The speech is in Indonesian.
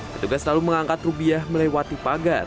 pertugas lalu mengangkat rubiah melewati pagar